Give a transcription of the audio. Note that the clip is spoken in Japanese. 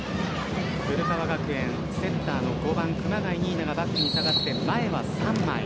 古川学園、セッターの５番熊谷仁依奈がバックに下がって前は３枚。